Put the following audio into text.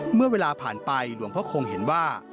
เมื่อเวลาผ่านไปหลวงพ่อคงเห็นว่า